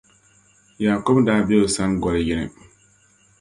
Yaakubu daa be o sani goli yini.